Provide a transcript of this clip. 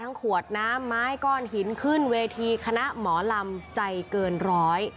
ขวดน้ำไม้ก้อนหินขึ้นเวทีคณะหมอลำใจเกินร้อย